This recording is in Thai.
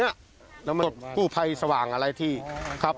ไปสดอะไรเนี้ยหูใจสว่างอะไรที่ครับ